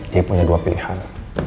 dia punya dua pilihan